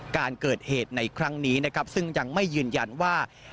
การเกิดเหตุในครั้งนี้นะครับซึ่งยังไม่ยืนยันว่า